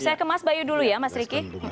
saya ke mas bayu dulu ya mas riki